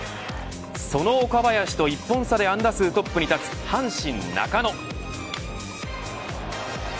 その岡林と１本差で安打数トップに立つ阪神、中野。